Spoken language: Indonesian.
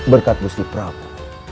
berkat busti prabu